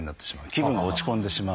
気分が落ち込んでしまう。